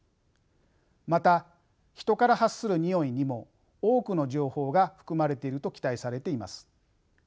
また人から発するにおいにも多くの情報が含まれていると期待されています。